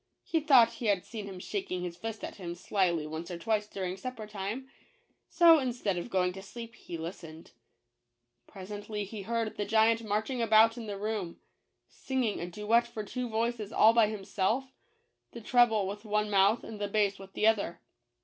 He 172 JACK THE GIANT KILLER. thought he had seen him shaking his fist at him slilv once or twice during sup per time; so, instead of going to sleep he listened. Presently he heard the giant marching about in the room, singing a duet for two voices all by him self — the treble with one mouth, and the bass with the other.